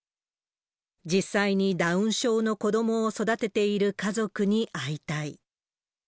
実際にダウン症の子どもを育てている家族に会いたい。